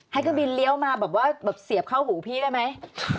ให้เครื่องบินเลี้ยวมาแบบว่าแบบเสียบเข้าหูพี่ได้ไหม